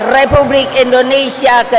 republik indonesia ke delapan